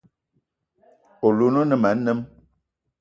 Oloun o ne ma anem.